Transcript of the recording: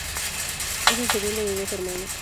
Es el segundo de dos hermanos.